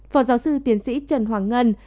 phó giáo sư tiến sĩ trần hoàng ngân